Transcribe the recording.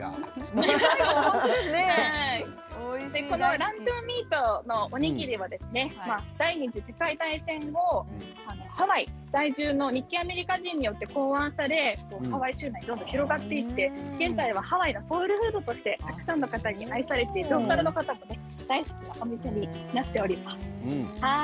ランチョンミートのおにぎりは第２次世界大戦後ハワイ在住の日系アメリカ人によって考案されハワイ州内にどんどん広まっていって現在はハワイのソウルフードとしてたくさんの方に愛されているおむすびになっております。